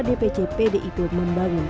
dpc pd itu membangun